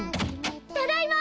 ただいま！